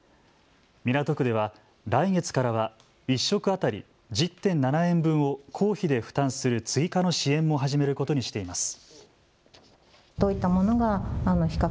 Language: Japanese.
港区では来月からは１食当たり１０．７円分を公費で負担する追加の支援も始めることにしています。